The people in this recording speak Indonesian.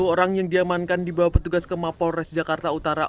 dua puluh orang yang diamankan dibawa petugas ke mapol res jakarta utara